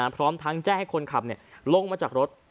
พร้อมทั้งแจ้งให้คนขับลงมาจากรถ